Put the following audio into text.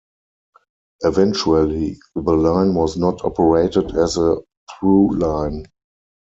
Eventually, the line was not operated as a through line.